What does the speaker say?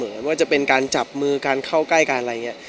โดยไม่ใช่ว่าจะเป็นการจับมือการเข้ากล้ายกันอะไรอย่างนี้